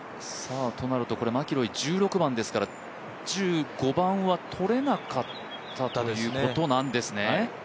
マキロイ、１６番ですから、１５番は取れなかったということなんですね。